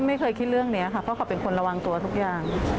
ไม่เคยคิดเรื่องนี้ค่ะเพราะเขาเป็นคนระวังตัวทุกอย่าง